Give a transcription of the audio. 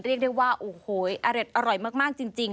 เรียกได้ว่าโอ้โหอร่อยมากจริง